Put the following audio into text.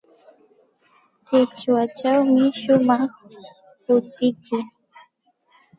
Qichwachawmi shumaq hutiyki.